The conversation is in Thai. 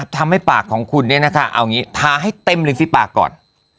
ทำให้ปากของคุณเนี่ยนะคะเอาอย่างนี้ทาให้เต็มหนึ่งที่ปากก่อน